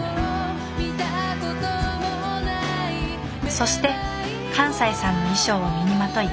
そして寛斎さんの衣装を身にまとい